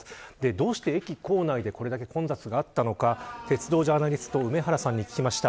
どうして駅構内でこれだけ混雑があったのか鉄道ジャーナリスト梅原さんに聞きました。